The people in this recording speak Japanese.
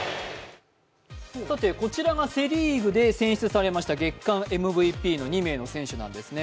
こちらがセ・リーグで選出されました月間ＭＶＰの２名の選手なんですね。